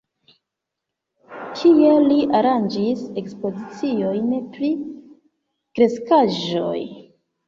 Tie li aranĝis ekspoziciojn pri kreskaĵoj.